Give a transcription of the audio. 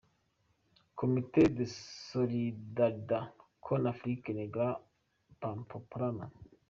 Comite de Solidarida con Africa Negra Pamplona